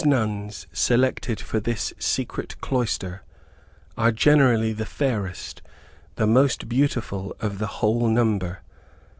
Those nuns selected for this Secret Cloister are generally the fairest, the most beautiful of the whole number.